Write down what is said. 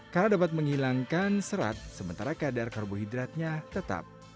karena dapat menghilangkan serat sementara kadar karbohidratnya tetap